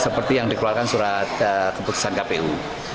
seperti yang dikeluarkan surat keputusan kpu